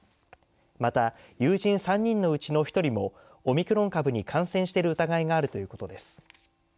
また、友人３人のうちの１人もオミクロン株に感染している疑いがあるということです。